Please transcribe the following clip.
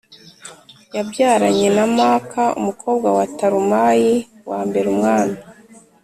yabyaranye na Maka umukobwa wa Talumayi l umwami